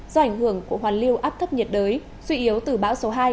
do ảnh hưởng của hoàn lưu áp thấp nhiệt đới suy yếu từ bão số hai